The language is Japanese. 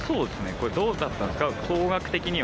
これ、どうだったんですか？